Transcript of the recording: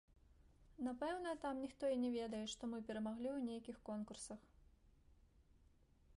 Напэўна, там ніхто і не ведае, што мы перамаглі ў нейкіх конкурсах.